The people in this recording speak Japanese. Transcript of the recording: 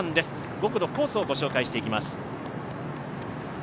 ５区のコースをご紹介していきます